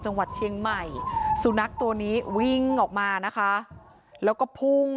จังหวัดเชียงใหม่สุนัขตัวนี้วิ่งออกมานะคะแล้วก็พุ่ง